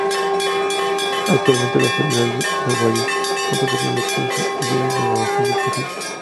Actualmente las autoridades uruguayas no permiten el acceso y libre navegación de este rio.